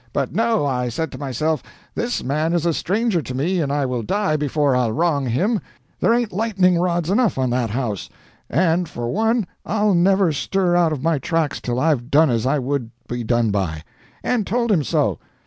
But no; I said to myself, this man is a stranger to me, and I will die before I'll wrong him; there ain't lightning rods enough on that house, and for one I'll never stir out of my tracks till I've done as I would be done by, and told him so.